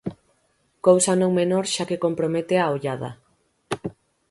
Cousa non menor xa que compromete a ollada.